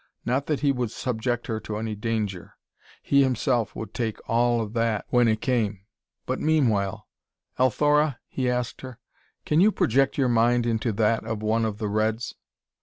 Not that he would subject her to any danger he himself would take all of that when it came but meanwhile "Althora," he asked her, "can you project your mind into that of one of the reds?"